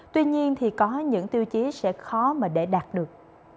tuy nhiên thì có những tiêu chí sẽ khó mà để đạt được